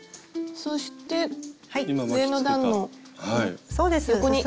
そして上の段の横に。